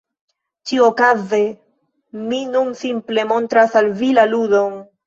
Ĉiuokaze mi nun simple montras al vi la ludon…